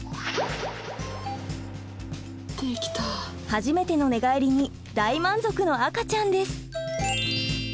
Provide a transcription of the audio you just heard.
初めての寝返りに大満足の赤ちゃんです。